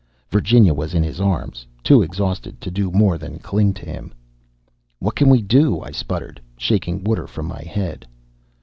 Virginia was in his arms, too exhausted to do more than cling to him. "What can we do?" I sputtered, shaking water from my head.